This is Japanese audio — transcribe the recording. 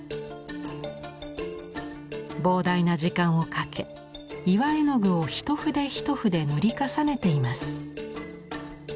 膨大な時間をかけ岩絵の具を一筆一筆塗り重ねています。